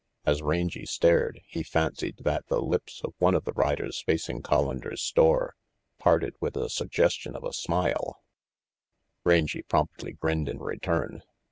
As Rangy stared, he fancied that the lips of one of the riders facing Collander's store parted with the suggestion of a smile. RANGY PETE 17 Rangy promptly grinned in return.